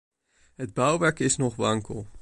Het bouwwerk is nog wankel.